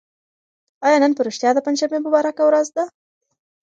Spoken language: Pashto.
آیا نن په رښتیا د پنجشنبې مبارکه ورځ ده؟